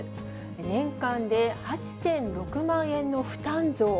年間で８．６万円の負担増。